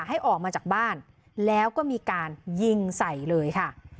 ให้ออกมาจากบ้านแล้วก็มีการยิงใส่เลยค่ะ